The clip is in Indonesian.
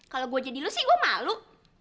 kalau gua jadi lu sih gua malu